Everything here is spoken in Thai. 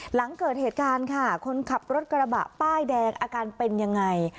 หลังเกิดเหตุการณ์ค่ะคนขับรถกระบะป้ายแดงอาการเป็นยังไง